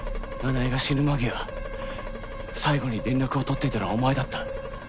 奈々江が死ぬ間際最後に連絡を取っていたのはお前だった。